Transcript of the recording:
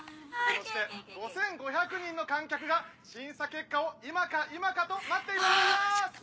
そして５５００人の観客が審査結果を今か今かと待っています！